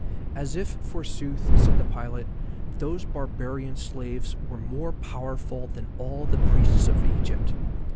As if, forsooth, said the pilot, those barbarian slaves were more powerful than all the priests of Egypt.